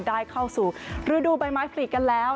ได้เข้าสู่ฤดูใบไม้ผลิกกันแล้ว